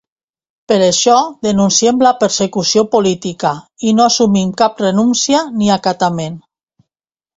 Per això, denunciem la persecució política i no assumim cap renúncia ni acatament.